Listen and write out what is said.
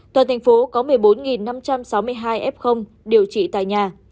toàn thành phố có một mươi bốn năm trăm sáu mươi hai f điều trị tại nhà